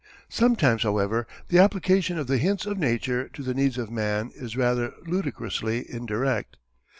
Sometimes however the application of the hints of nature to the needs of man is rather ludicrously indirect.